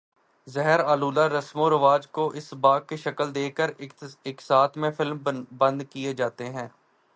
زہر آلودہ رسم و رواج کو اسباق کی شکل دے کر اقساط میں فلم بند کئے جاتے ہیں